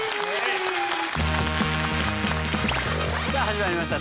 さあ始まりました